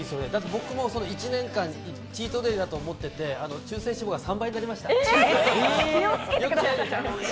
僕も１年間チートデイだと思ってて、中性脂肪が３倍になりました。